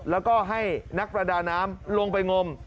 แล้วก็ให้นักประดาน้ำลงไปงม